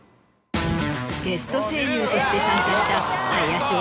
ゲスト声優として参加した。